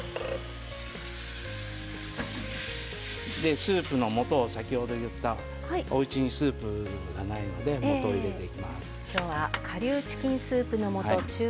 スープのもとを先ほど言ったおうちにスープがないのでもとを入れていきます。